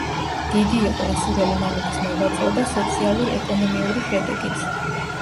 დიდი იყო ასურელი მამების მოღვაწეობა სოციალურ-ეკონომიური შედეგიც.